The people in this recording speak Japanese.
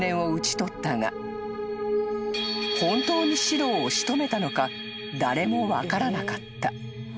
［本当に四郎を仕留めたのか誰も分からなかった］